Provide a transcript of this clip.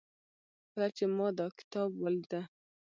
کله چې ما دا کتاب وليده